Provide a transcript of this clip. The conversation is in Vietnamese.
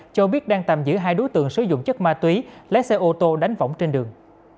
cho biết đang tạm giữ hai đối tượng sử dụng chất ma túy lái xe ô tô đánh vỏng trên đường